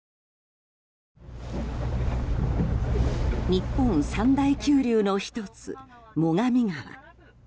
日本三大急流の１つ、最上川。